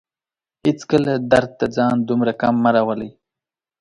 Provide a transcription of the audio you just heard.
هيڅکله درد ته ځان دومره کم مه راولئ